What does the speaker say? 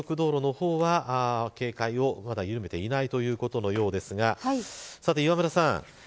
まだ、高速道路の方は警戒を緩めていないということですが磐村さん。